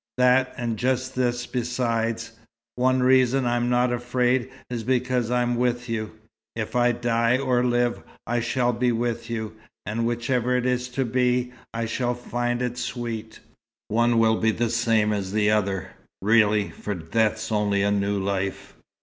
That, and just this beside: one reason I'm not afraid, is because I'm with you. If I die, or live, I shall be with you. And whichever it's to be, I shall find it sweet. One will be the same as the other, really, for death's only a new life."